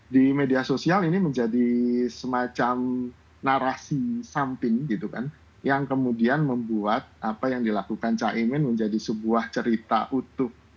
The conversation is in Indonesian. di media sosial ini menjadi semacam narasi samping gitu kan yang kemudian membuat apa yang dilakukan caimin menjadi sebuah cerita utuh